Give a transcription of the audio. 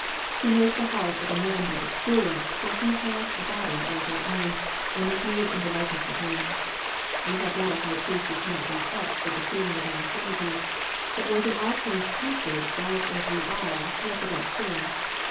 He knows the heart of a man by experience, for He had a body like our own, and was made in the likeness of man. "We have not a High Priest who cannot be touched with the feeling of our infirmities ; but was in all points tempted like as we are, yet without sin."